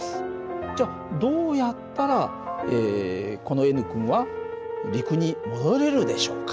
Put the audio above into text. じゃどうやったらこのＮ君は陸に戻れるでしょうか。